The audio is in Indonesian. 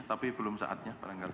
tapi belum saatnya paling kali